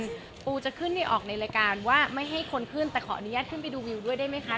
ปูจะขึ้นให้ออกในรายการว่าไม่ให้คนขึ้นแต่ขออนุญาตขึ้นไปดูวิวด้วยได้ไหมคะ